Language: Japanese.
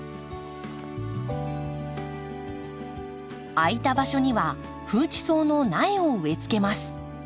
空いた場所にはフウチソウの苗を植えつけます。